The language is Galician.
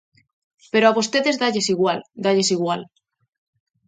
Pero a vostedes dálles igual, dálles igual.